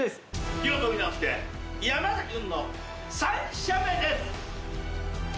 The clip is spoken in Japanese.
気を取り直して山田君の３射目です！